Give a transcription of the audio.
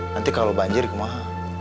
nanti kalo banjir kemah